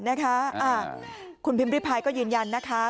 นะคะคุณพิมพิพายก็ยืนยันนะคะ